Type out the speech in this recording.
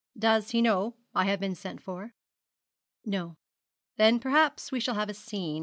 Does he know I have been sent for?' 'No.' 'Then perhaps we shall have a scene.